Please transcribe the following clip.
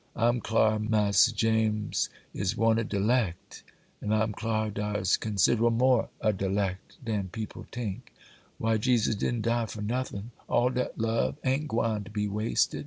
I'm clar Mass'r James is one o' de 'lect; and I'm clar dar's consid'able more o' de 'lect dan people tink. Why, Jesus didn't die for nothin',—all dat love a'n't gwine to be wasted.